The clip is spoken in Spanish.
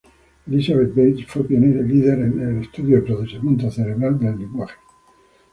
Elizabeth Bates fue pionera y líder en el estudio del procesamiento cerebral del lenguaje.